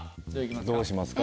どうしますか？